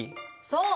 そう！